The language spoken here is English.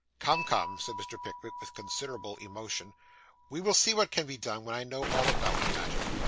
'Come, come,' said Mr. Pickwick, with considerable emotion, 'we will see what can be done, when I know all about the matter.